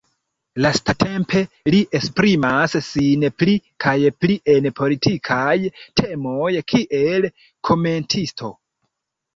Lastatempe li esprimas sin pli kaj pli en politikaj temoj kiel komentisto.